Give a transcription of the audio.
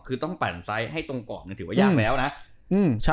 คือต้องปั่นไซด์ให้ตรงกรอบถือว่ายากแล้วนะ